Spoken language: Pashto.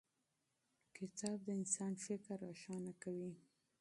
کتاب د انسان فکر روښانه کوي.